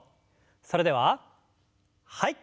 それでははい。